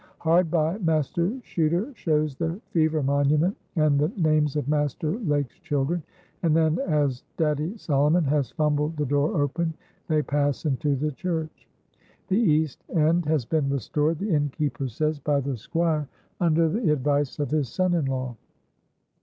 Hard by, Master Chuter shows the "fever monument," and the names of Master Lake's children. And then, as Daddy Solomon has fumbled the door open, they pass into the church. The east end has been restored, the innkeeper says, by the Squire, under the advice of his son in law.